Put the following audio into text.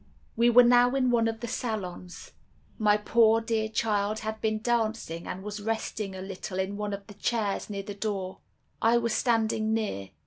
"We were now in one of the salons. My poor dear child had been dancing, and was resting a little in one of the chairs near the door; I was standing near.